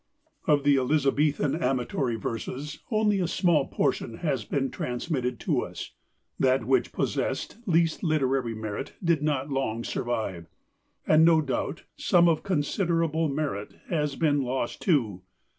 Of the Elizabethan amatory verses only a small portion has been transmitted to us. That which possessed least literary merit did not long survive, and, no doubt, some of considerable merit has been lost too.